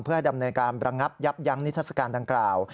เพื่อดำเนินการระงับยับยั้งนิทัศกาลดังกล่าว